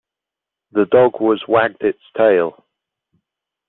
The dog was wagged its tail.